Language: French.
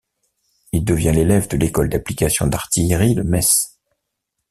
Il devient élève de l'école d’application d’artillerie de Metz.